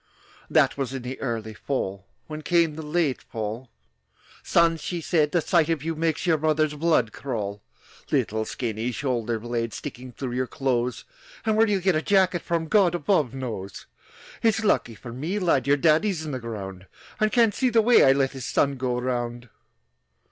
That was in the early fall. When came the late fall, "Son," she said, "the sight of you Makes your mother's blood crawl,– "Little skinny shoulder blades Sticking through your clothes! And where you'll get a jacket from God above knows. "It's lucky for me, lad, Your daddy's in the ground, And can't see the way I let His son go around!"